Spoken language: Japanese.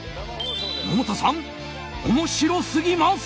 百田さん、面白すぎます。